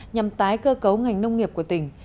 nhằm tái cơ cấu ngành nông nghiệp của tỉnh